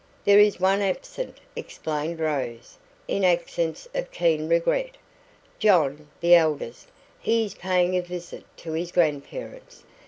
"There is one absent," explained Rose, in accents of keen regret. "John, the eldest; he is paying a visit to his grandparents.